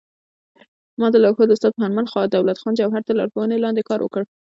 ما د لارښود استاد پوهنمل دولت خان جوهر تر لارښوونې لاندې کار وکړ